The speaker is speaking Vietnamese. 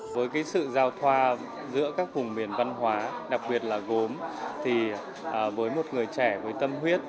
với sự giao thoa giữa các vùng miền văn hóa đặc biệt là gốm với một người trẻ với tâm huyết